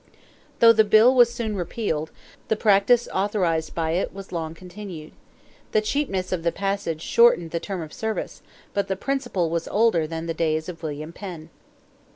Though the bill was soon repealed, the practice authorized by it was long continued. The cheapness of the passage shortened the term of service; but the principle was older than the days of William Penn.